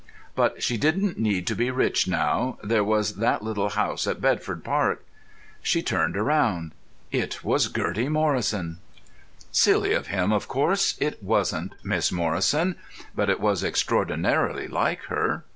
But she didn't need to be rich now; there was that little house at Bedford Park. She turned round. It was Gertie Morrison! Silly of him; of course, it wasn't Miss Morrison; but it was extraordinarily like her.